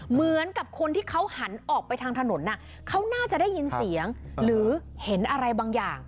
เหมือนกับคนที่เขาหันออกไปทางถนนเขาน่าจะได้ยินเสียงหรือเห็นอะไรบางอย่าง